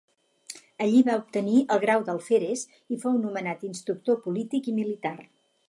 Allí va obtenir el grau d'alferes i fou nomenat instructor polític i militar.